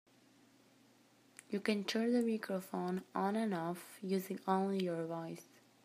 You can turn the microphone on and off using only your voice.